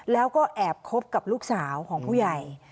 แล้วก็แอบคบกับลูกสาวของผู้ใหญ่